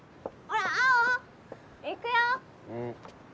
うん。